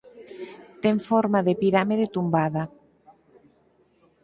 Ten forma de pirámide tumbada.